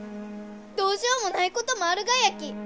どうしようもないこともあるがやき！